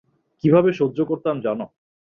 কীভাবে সহ্য করতাম জানো?